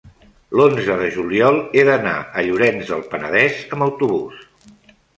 l'onze de juliol he d'anar a Llorenç del Penedès amb autobús.